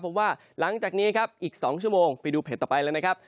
เพราะว่าหลังจากนี้ครับอีก๒ชั่วโมงไปดูเพจต่อไปเลยนะครับ